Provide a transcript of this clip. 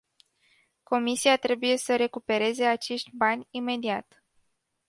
Comisia trebuie să recupereze acești bani imediat.